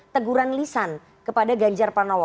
teguran lisan kepada ganjar pranowo